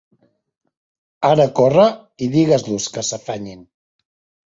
Ara corre i digues-los que s'afanyin.